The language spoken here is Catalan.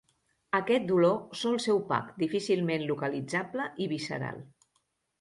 Aquest dolor sol ser opac, difícilment localitzable i visceral.